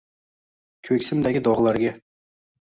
Koʼksimdagi dogʼlarga